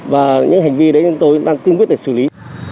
và những hành vi đấy chúng tôi đang cương quyết để xử lý